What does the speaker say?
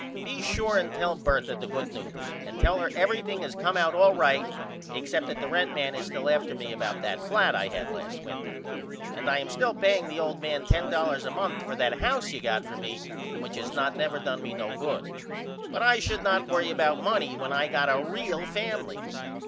Be sure and tell Bertha the good news and tell her everything has came out all right except that the rent man is still after me about that flat I had last winter. And I am still paying the old man $10.00 a month for that house you got for me and which has not never done me no good. But I should not worry about money when I got a real family.